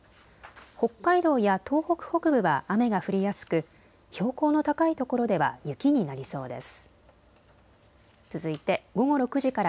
北海道や東北北部は雨が降りやすく標高の高い所では雪になりそうです。